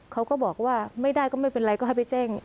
เขาก็บอกว่าไม่ได้ก็ไม่เป็นไรก็ให้ไปแจ้ง